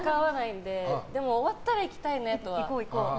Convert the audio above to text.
でも、終わったら行きたいねとは。